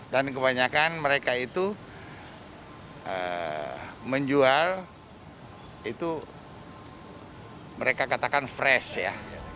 dan kebanyakan mereka itu menjual itu mereka katakan fresh ya